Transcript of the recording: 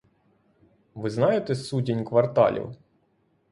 Ви знаєте сутінь кварталів?